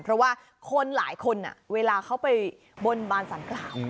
เพราะว่าคนหลายคนเวลาเข้าไปบนบรรสันประหลาฯ